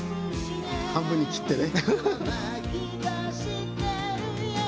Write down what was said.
半分に切ってね。